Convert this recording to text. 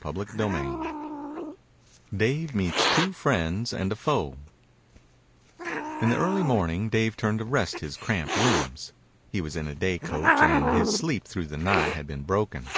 CHAPTER XVI DAVE MEETS TWO FRIENDS AND A FOE In the early morning Dave turned to rest his cramped limbs. He was in a day coach, and his sleep through the night had been broken.